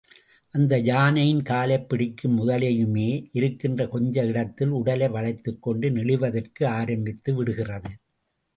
அந்த யானையின் காலைப் பிடிக்கும் முதலையுமே இருக்கின்ற கொஞ்ச இடத்தில் உடலை வளைத்துக் கொண்டு நெளிவதற்கு ஆரம்பித்து விடுகிறது.